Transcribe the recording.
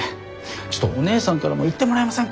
ちょっとお姉さんからも言ってもらえませんか？